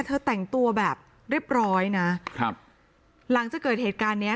เธอแต่งตัวแบบเรียบร้อยนะครับหลังจากเกิดเหตุการณ์เนี้ย